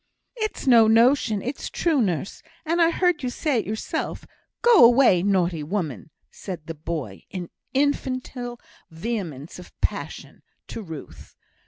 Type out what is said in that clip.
"It's no notion; it's true, nurse; and I heard you say it yourself. Go away, naughty woman!" said the boy, in infantile vehemence of passion to Ruth.